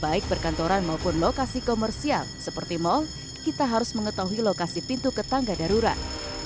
baik perkantoran maupun lokasi komersial seperti mal kita harus mengetahui lokasi pintu ke tangga darurat